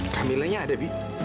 kamilanya ada bi